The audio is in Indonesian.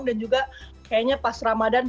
dan juga kayaknya pas ramadan